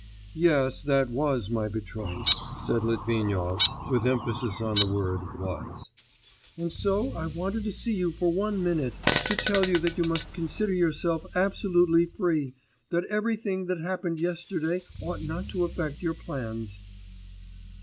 'Yes, that was my betrothed,' said Litvinov, with emphasis on the word 'was.' 'And so I wanted to see you for one minute, to tell you that you must consider yourself absolutely free, that everything that happened yesterday ought not to affect your plans....